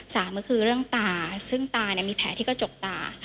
สามก็คือเรื่องตาซึ่งตามีแผลที่กระจกตา